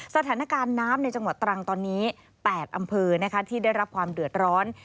สถานการณ์น้ำในจังหวัดตรังตอนนี้๘อำเภอที่ได้รับความเดือดร้อน